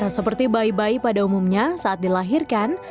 seperti bayi bayi pada umumnya saat dilahirkan